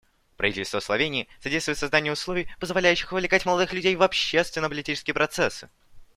Правительство Словении содействует созданию условий, позволяющих вовлекать молодых людей в общественно-политические процессы.